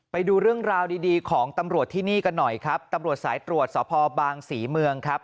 ไปดูเรื่องราวดีดีของตำรวจที่นี่กันหน่อยครับตำรวจสายตรวจสพบางศรีเมืองครับ